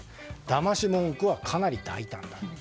だまし文句はかなり大胆。